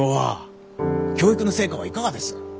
教育の成果はいかがです？